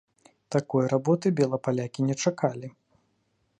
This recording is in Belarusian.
Такой работы белапалякі не чакалі.